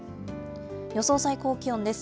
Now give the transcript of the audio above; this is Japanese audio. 予想最高気温です。